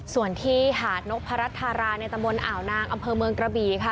ส่วนที่หาดนกพระรัชธาราในตะบนอ่าวนางอำเภอเมืองกระบี่ค่ะ